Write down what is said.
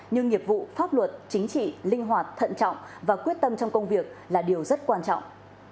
như nghiệp vụ pháp luật chính trị linh hoạt thận trọng và quyết tâm trong công việc là điều rất quan trọng